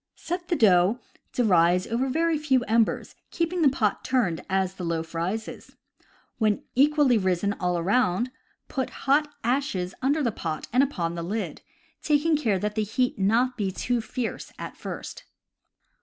— Set the dough to rise over a very few embers, keeping the pot turned as the loaf rises. When equally risen all around, put hot ashes under the pot and upon the lid, taking care that the heat be not too fierce at first.